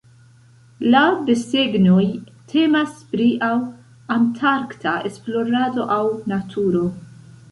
La desegnoj temas pri aŭ antarkta esplorado aŭ naturo.